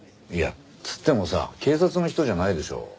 いやっつってもさ警察の人じゃないでしょ？